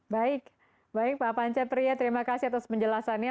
baik baik pak panca priya terima kasih atas penjelasannya